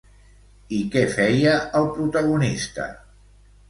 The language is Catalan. I què feia el protagonista?